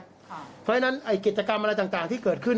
เพราะฉะนั้นกิจกรรมอะไรต่างที่เกิดขึ้น